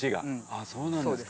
ああそうなんですか。